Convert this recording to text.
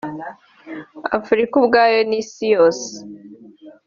Afurika ubwayo n’Isi yose